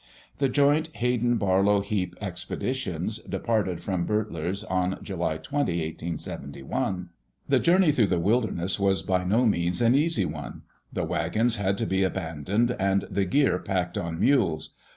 The joint Hayden/Barlow Heap expeditions departed from Boetler's on July 20, 1871. The journey through the wilderness was by no means an easy one. The wagons had to be abandoned and the gear packed on mules.